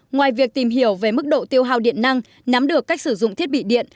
ngoài việc tìm hiểu về mức độ tiêu hào điện năng nắm được cách sử dụng thiết bị điện